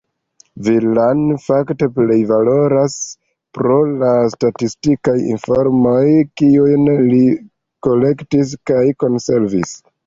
Villani fakte plej valoras pro la statistikaj informoj, kiujn li kolektis kaj konservis.